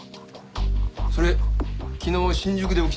それ昨日新宿で起きたやつか？